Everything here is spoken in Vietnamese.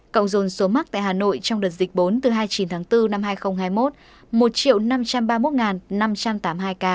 cộng dồn số mắc tại hà nội trong đợt dịch bốn từ hai mươi chín tháng bốn năm hai nghìn hai mươi một một năm trăm ba mươi một năm trăm tám mươi hai ca